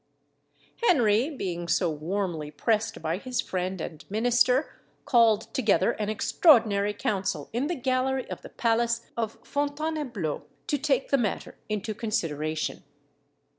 ] Henry, being so warmly pressed by his friend and minister, called together an extraordinary council in the gallery of the palace of Fontainebleau, to take the matter into consideration.